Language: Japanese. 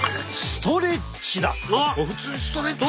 ストレッチ。